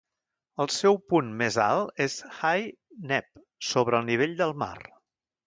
El seu punt més alt és High Neb sobre el nivell del mar.